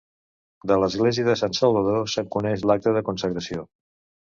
De l'església de Sant Salvador, se'n coneix l'acta de consagració.